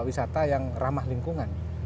wisata yang ramah lingkungan